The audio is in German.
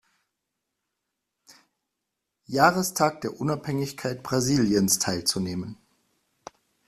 Jahrestag der Unabhängigkeit Brasiliens teilzunehmen.